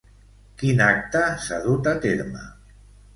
Quin acte s'ha dut a terme?